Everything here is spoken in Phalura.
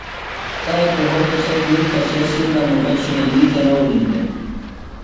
تائی پہُرتہ سے دُئی کسے سِندہ مُٹہ چِھئینی تھےۡ نہ اُڑِین دےۡ۔